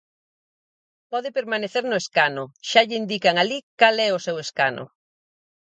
Pode permanecer no escano, xa lle indican alí cal é o seu escano.